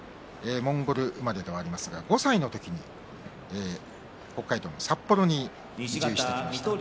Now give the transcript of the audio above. モンゴル生まれではありますが５歳の時に北海道の札幌に移住してきました。